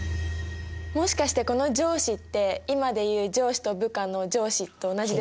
もしかしてこの上司って今でいう「上司と部下」の上司と同じですか？